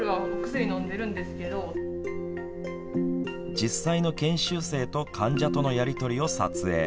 実際の研修生と患者とのやり取りを撮影。